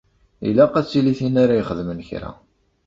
Ilaq ad tili tin ara ixedmen kra.